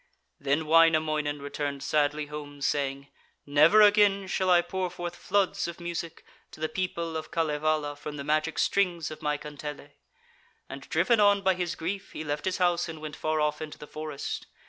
Then Wainamoinen returned sadly home, saying: 'Never again shall I pour forth floods of music to the people of Kalevala from the magic strings of my kantele.' And driven on by his grief he left his house and went far off into the forest.